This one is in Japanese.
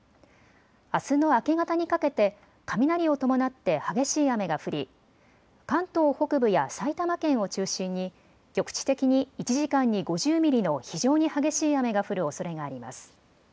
あすの明け方にかけて雷を伴って激しい雨が降り関東北部や埼玉県を中心に局地的に１時間に５０ミリの非常に激しい雨が降るおそれがあります。